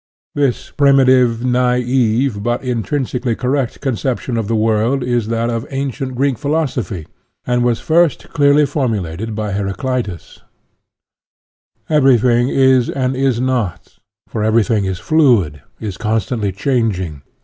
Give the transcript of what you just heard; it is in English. This primitive, na'ive, but intrinsically correct conception of the world is that of ancient Greek phi losophy, and was first clearly formulated by Heraclitus: everything is and is not, for everything is fluid, is constantly changing